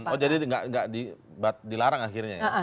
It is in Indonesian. oh jadi nggak dilarang akhirnya ya